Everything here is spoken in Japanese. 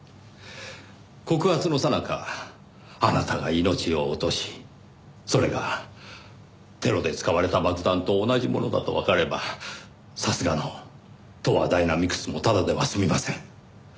告発のさなかあなたが命を落としそれがテロで使われた爆弾と同じものだとわかればさすがの東亜ダイナミクスもただでは済みません。